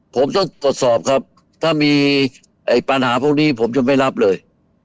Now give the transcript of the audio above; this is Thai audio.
ผมต้องตรวจสอบครับถ้ามีปัญหาพวกนี้ผมจะไม่รับเลย